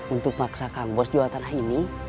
untuk paksakan bos jawa tanah ini